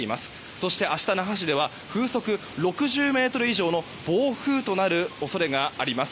そして明日、那覇市では風速６０メートル以上の暴風となる恐れがあります。